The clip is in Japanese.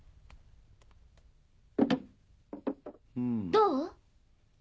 どう？